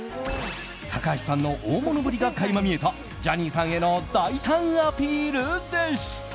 高橋さんの大物ぶりが垣間見えたジャニーさんへの大胆アピールでした。